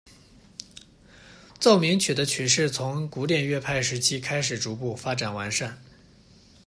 奏鸣曲的曲式从古典乐派时期开始逐步发展完善。